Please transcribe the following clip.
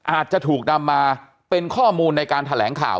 อาจจะถูกนำมาเป็นข้อมูลในการแถลงข่าว